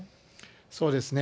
そうですね。